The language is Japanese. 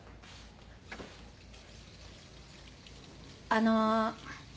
あの。